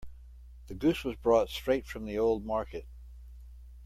The goose was brought straight from the old market.